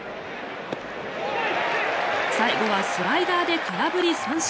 最後はスライダーで空振り三振。